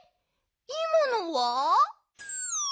いまのは？